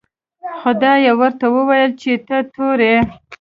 خدای ورته وویل چې ته تور یې.